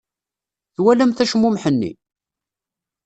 Twalamt acmumeḥ-nni?